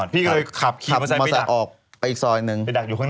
พี่ก็เลยขับมอสไซคันออกไปอีกซอยนึง